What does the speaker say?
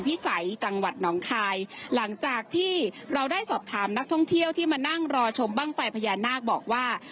สัยจังหวัดหนองคายหลังจากที่เราได้สอบถามนักท่องเที่ยวที่มานั่งรอชมบ้างไฟพญานาคบอกว่า